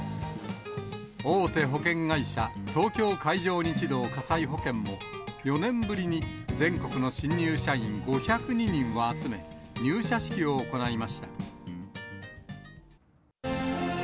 大手保険会社、東京海上日動火災保険も、４年ぶりに全国の新入社員５０２人を集め、入社式を行いました。